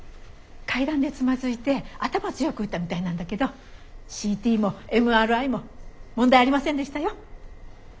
階段でつまずいて頭を強く打ったみたいなんだけどＣＴもＭＲＩも問題ありませんでしたよ。